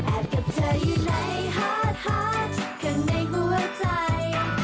แอบกับเธอยู่ไหนหาดข้างในหัวใจ